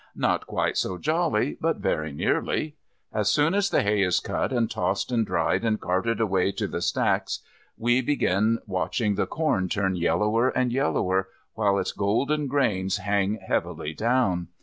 Not quite so jolly, but very nearly. As soon as the hay is cut and tossed and dried and carted away to the stacks we begin watching the corn turn yellower and yellower while its golden grains hang heavily down.